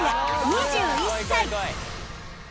２１歳